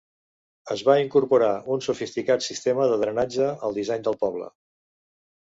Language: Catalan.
Es va incorporar un sofisticat sistema de drenatge al disseny del poble.